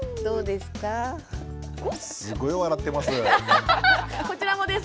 すごい笑ってます。